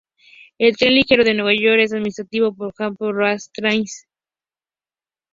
El Tren Ligero de Norfolk es administrado por Hampton Roads Transit.